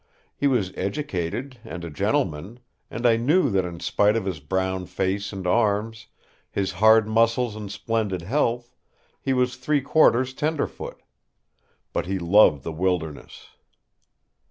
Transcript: He was educated and a gentleman, and I knew that in spite of his brown face and arms, his hard muscles and splendid health, he was three quarters tenderfoot. But he loved the wilderness.